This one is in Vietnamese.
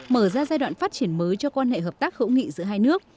mở ra giai đoạn phát triển mới cho quan hệ hợp tác hữu nghị giữa hai nước